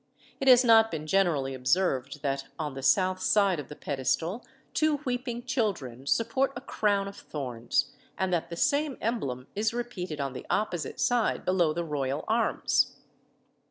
It has not been generally observed that on the south side of the pedestal two weeping children support a crown of thorns, and that the same emblem is repeated on the opposite side, below the royal arms.